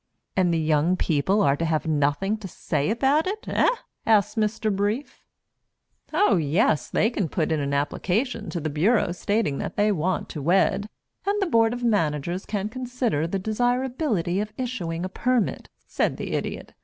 "And the young people are to have nothing to say about it, eh?" asked Mr. Brief. "Oh yes they can put in an application to the Bureau stating that they want to wed, and the Board of Managers can consider the desirability of issuing a permit," said the Idiot.